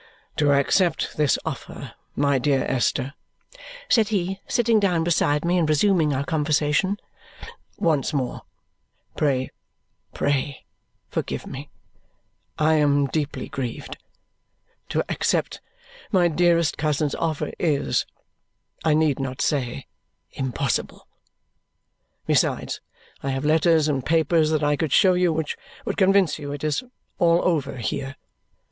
"To accept this offer, my dear Esther," said he, sitting down beside me and resuming our conversation, " once more, pray, pray forgive me; I am deeply grieved to accept my dearest cousin's offer is, I need not say, impossible. Besides, I have letters and papers that I could show you which would convince you it is all over here.